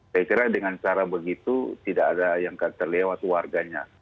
saya kira dengan cara begitu tidak ada yang akan terlewat warganya